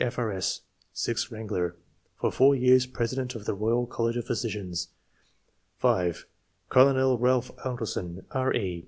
D., F.R.S. (sixth wrangler), for four years President of the Royal College of Physicians ; (5) Colonel Ralph Alderson, R.E.